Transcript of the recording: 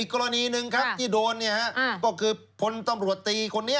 อีกกรณีหนึ่งที่โดนก็คือพนต้ำรวจตีคนนี้